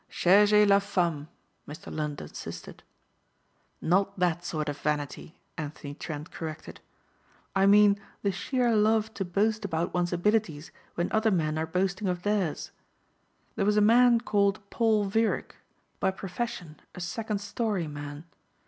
"Cherchez la femme," Mr. Lund insisted. "Not that sort of vanity," Anthony Trent corrected. "I mean the sheer love to boast about one's abilities when other men are boasting of theirs. There was a man called Paul Vierick, by profession a second story man.